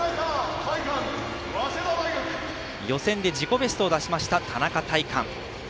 予選で自己ベストを出しました田中大寛。